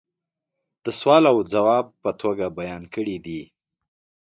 دسوال او جواب په توگه بیان کړي دي